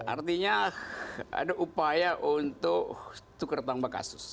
artinya ada upaya untuk tukar tambah kasus